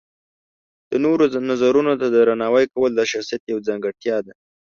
د نورو نظرونو ته درناوی کول د شخصیت یوه ځانګړتیا ده.